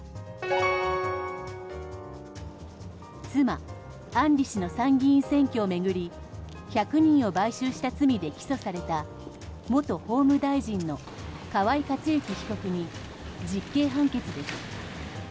妻・案里氏の参議院選挙を巡り１００人を買収した罪で起訴された元法務大臣の河井克行被告に実刑判決です。